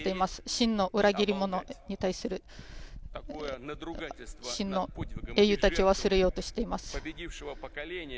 真の裏切り者に対する真の英雄たちを忘れようとしています。